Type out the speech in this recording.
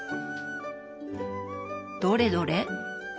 どれどれ。